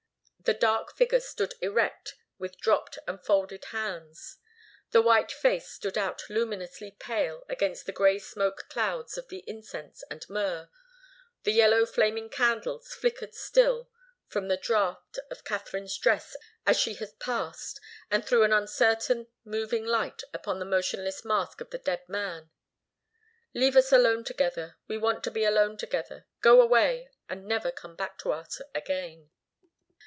The dark figure stood erect with dropped and folded hands. The white face stood out luminously pale against the grey smoke clouds of the incense and myrrh, the yellow flaming candles flickered still from the draught of Katharine's dress as she had passed and threw an uncertain, moving light upon the motionless mask of the dead man. "Leave us alone together. We want to be alone together. Go away and never come back to us again."